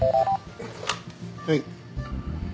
はい。